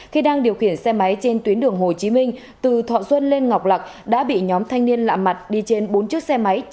khi đang điều khiển xe máy trên tuyến đường hồ chí minh từ thọ xuân lên ngọc lạc đã bị nhóm thanh niên lạ mặt đi trên bốn chiếc xe máy